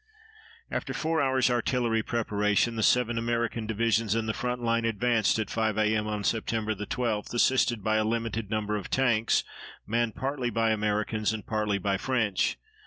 After four hours' artillery preparation, the seven American divisions in the front line advanced at 5 A. M. on Sept. 12, assisted by a limited number of tanks, manned partly by Americans and partly by French.